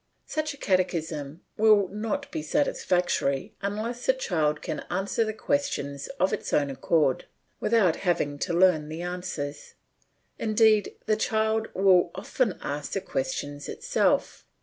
Such a catechism will not be satisfactory unless the child can answer the questions of its own accord without having to learn the answers; indeed the child will often ask the questions itself.